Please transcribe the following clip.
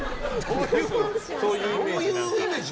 どういうイメージ？